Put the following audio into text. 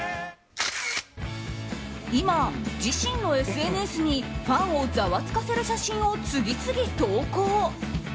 今、自身のＳＮＳにファンをざわつかせる写真を次々、投稿。